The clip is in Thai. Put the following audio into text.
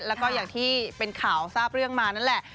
แล้วก็อย่างที่เป็นข่าวทราบเรื่องมานั่นแหละ